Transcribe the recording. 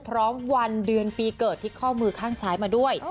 วันเดือนปีเกิดที่ข้อมือข้างซ้ายมาด้วย